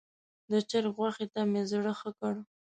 د چرګ غوښې ته مې زړه ښه کړ.